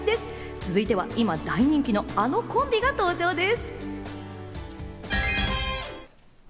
続いては今、大人気のあのコンビが登場です。